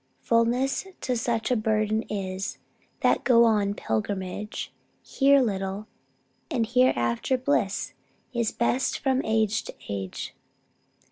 Fulness to such a burden is That go on pilgrimage: Here little, and hereafter bliss, Is best from age to age.